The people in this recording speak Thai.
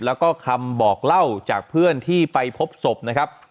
แล้วก็คำบอกเล่าจากเพื่อนที่ไปพบศพนะครับ